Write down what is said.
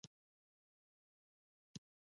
آزاد تجارت مهم دی ځکه چې پارکونه جوړوي.